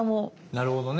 なるほどね。